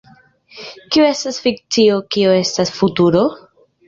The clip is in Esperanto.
Kio estas fikcio, kio estas futuro?